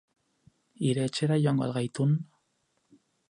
Hire etxera joango al gaitun?